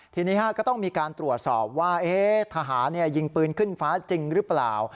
ทีนี้ก็ต้องมีการตรวจสอบว่าทหารยิงปืนขึ้นฟ้าจริงหรือเปล่า